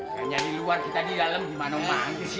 hanya di luar kita di dalem gimana manggil sih lo ngaji